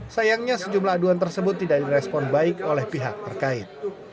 sayangnya sejumlah aduan tersebut tidak direspon baik oleh pihak terkait